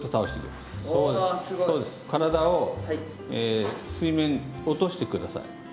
体を水面落として下さい。